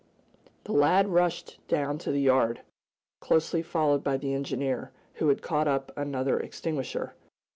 The lad rushed down to the yard, closely followed by the engineer, who had caught up another extinguisher.